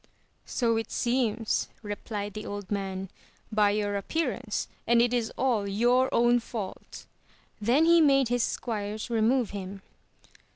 So it seems, replied the old man, by your appearance, and it is all your own fault ! and then he made his squires remove him.